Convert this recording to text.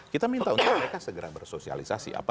kita minta untuk mereka segera bersosialisasi